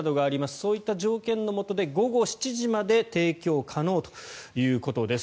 そういった条件のもとで午後７時まで提供可能ということです。